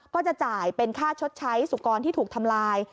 ก็จะจ่ายเป็นค่าชดใช้สุกรที่ถูกทำลาย